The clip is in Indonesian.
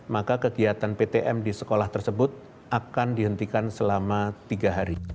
maka kegiatan ptm di sekolah tersebut akan dihentikan selama tiga hari